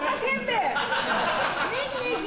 ねぎねぎ。